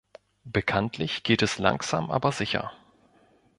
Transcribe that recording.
Bekanntlich geht es langsam, aber sicher.